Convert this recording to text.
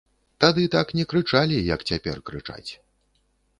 Тады так не крычалі, як цяпер крычаць.